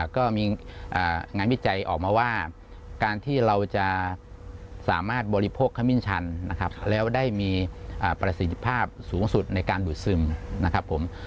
ก็มีงานวิจัยออกมาว่าการที่เราจะสามารถบริโภคขมิ้นชันนะครับแล้วได้มีประสิทธิภาพสูงสุดในการดูดซึมนะครับผม